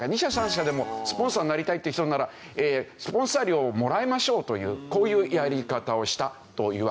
２社３社でもスポンサーになりたいって人ならスポンサー料をもらいましょうというこういうやり方をしたというわけですね。